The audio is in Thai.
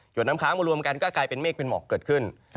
น้ำค้างมารวมกันก็กลายเป็นเมฆเป็นหมอกเกิดขึ้น